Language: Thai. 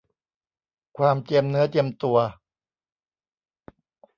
ความเจียมเนื้อเจียมตัว